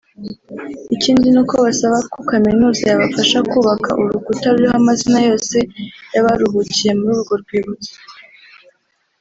Ikindi ni uko basaba ko Kaminuza yabafasha kubaka urukuta ruriho amazina yose y’abaruhukiye muri urwo rwibutso